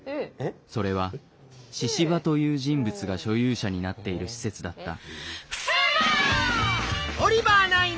それは「神々」という人物が所有者になっている施設だった。